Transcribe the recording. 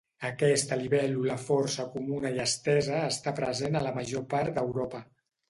Aquesta libèl·lula força comuna i estesa està present a la major part d'Europa.